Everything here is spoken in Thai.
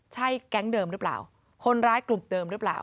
ใช่แก๊งเดิมหรือเปล่าคนร้ายกลุ่มเดิมหรือเปล่า